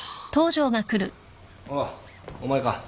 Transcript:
おうお前か。